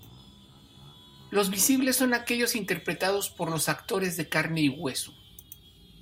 Los visibles son aquellos interpretados por los actores de carne y hueso.